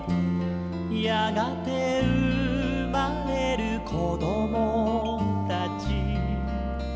「やがてうまれるこどもたち」